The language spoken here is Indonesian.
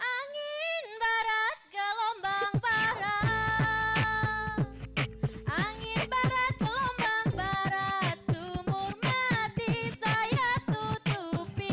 angin barat gelombang barat angin barat gelombang barat sumur mati saya tutupi